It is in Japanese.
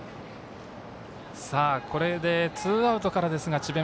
これで、ツーアウトからですが智弁